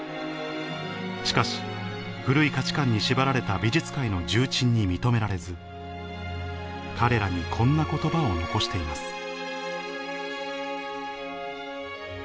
しかし古い価値観に縛られた美術界の重鎮に認められず彼らにこんな言葉を残しています